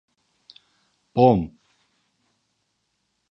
Bom!